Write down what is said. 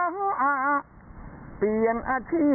เพิ่มต่อ